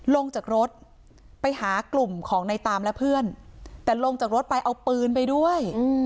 ลงจากรถไปหากลุ่มของในตามและเพื่อนแต่ลงจากรถไปเอาปืนไปด้วย